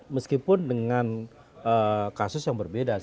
meskipun dengan kasus yang berbeda